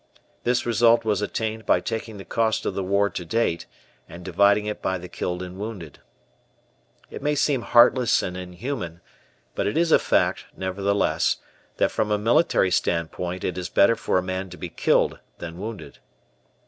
This result was attained by taking the cost of the war to date and dividing it by the killed and wounded. It may sound heartless and inhuman, but it is a fact, nevertheless, that from a military stand point it is better for a man to be killed than wounded.